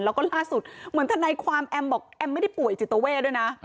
แล้วก็ล่าสุดเหมือนทนายความแอมบอกแอมไม่ได้ป่วยจิตเวทด้วยนะ